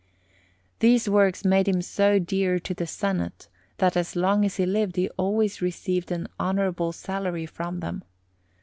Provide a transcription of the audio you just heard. These works made him so dear to the Senate, that as long as he lived he always received an honourable salary from them.